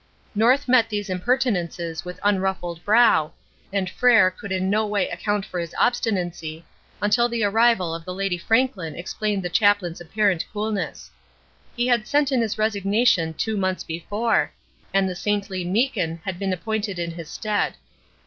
North met these impertinences with unruffled brow, and Frere could in no way account for his obstinacy, until the arrival of the Lady Franklin explained the chaplain's apparent coolness. He had sent in his resignation two months before, and the saintly Meekin had been appointed in his stead.